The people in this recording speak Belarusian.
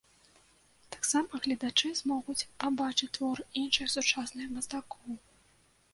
Таксама гледачы змогуць пабачыць творы іншых сучасных мастакоў.